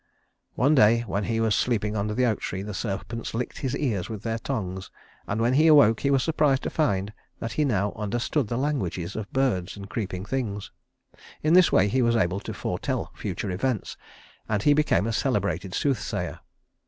One day when he was sleeping under the oak tree, the serpents licked his ears with their tongues; and when he awoke he was surprised to find that he now understood the languages of birds and creeping things. In this way he was able to foretell future events, and he became a celebrated soothsayer.